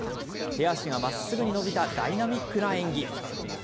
手足がまっすぐに伸びたダイナミックな演技。